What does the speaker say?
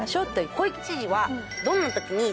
小池知事は。